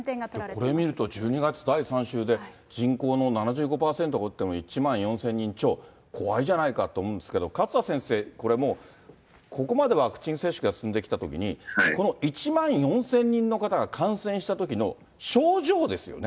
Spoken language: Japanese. これを見ると、１２月の３週で人口の７５％打って、１万４０００人超、怖いじゃないかと思うんですけど、勝田先生、これもう、ここまでワクチン接種が進んできたときに、この１万４０００人の方が感染したときの症状ですよね。